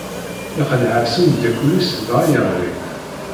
Iqelleɛ-as umeddakel-is dɣa yeɣli.